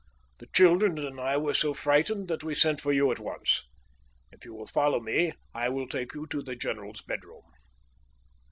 The children and I were so frightened that we sent for you at once. If you will follow me I will take you to the general's bedroom."